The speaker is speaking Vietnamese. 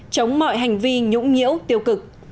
chống mọi hành vi nhũng nhiễu tiêu cực